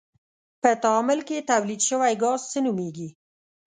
په تعامل کې تولید شوی ګاز څه نومیږي؟